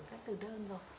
các từ đơn rồi